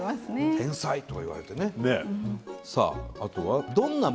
天才とか言われてね。